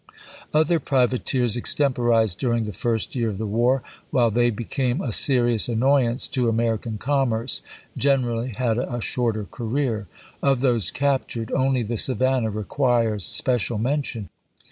Other privateers extemporized during the first year of the war, while they became a serious an noyance to American commerce, generally had a shorter career. Of those captured only the Savan nah requires special mention.